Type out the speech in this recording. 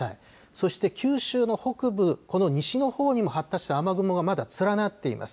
そして九州の北部、この西のほうにも発達した雨雲がまだ連なっています。